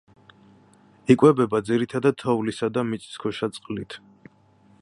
იკვებება ძირითადად თოვლისა და მიწისქვეშა წყლით.